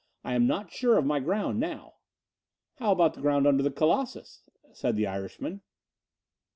I am not sure of my ground now." "How about the ground under the Colossus?" said the Irishman.